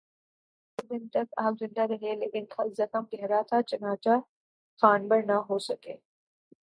اگلے دو دن تک آپ زندہ رہے لیکن زخم گہرا تھا، چنانچہ جانبر نہ ہو سکے